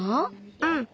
うん。